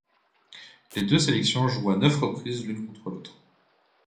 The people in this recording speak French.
Les deux sélections jouent à neuf reprises l'une contre l'autre.